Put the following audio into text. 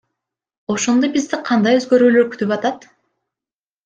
Ошондо бизди кандай өзгөрүүлөр күтүп атат?